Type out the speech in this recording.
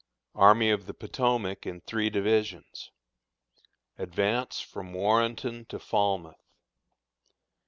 Army of the Potomac in Three Divisions. Advance from Warrenton to Falmouth.